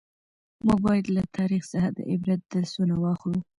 موږ باید له تاریخ څخه د عبرت درسونه واخلو.